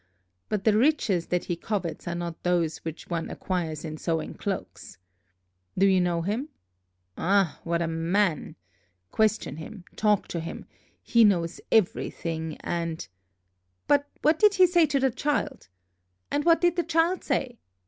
But the riches that he covets are not those which one acquires in sewing cloaks. Do you know him? Ah, what a man! question him, talk to him, he knows everything, and " "But what did he say to the child?" "And what did the child say?"